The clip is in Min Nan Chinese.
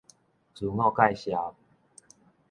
自我介紹